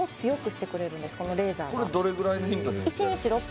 これどれぐらいの頻度で？